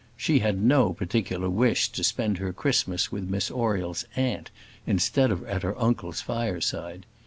She had no particular wish to spend her Christmas with Miss Oriel's aunt instead of at her uncle's fireside.